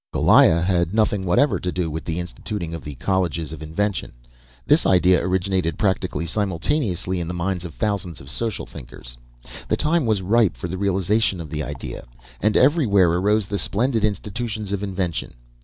Goliah had nothing whatever to do with the instituting of the colleges of invention. This idea originated practically simultaneously in the minds of thousands of social thinkers. The time was ripe for the realization of the idea, and everywhere arose the splendid institutions of invention.